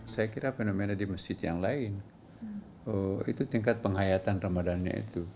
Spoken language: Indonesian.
saya kira fenomena di masjid yang lain itu tingkat penghayatan ramadannya itu